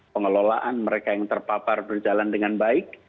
pengelolaan mereka yang terpapar berjalan dengan baik